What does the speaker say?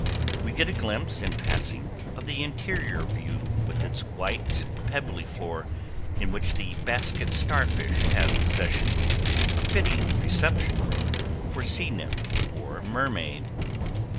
We get a glimpse, in passing, of the interior view with its white, pebbly floor, in which the basket starfish have possession a fitting reception room for sea nymph or mermaid.